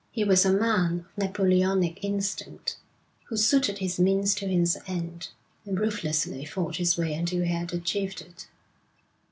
He was a man of Napoleonic instinct, who suited his means to his end, and ruthlessly fought his way until he had achieved it.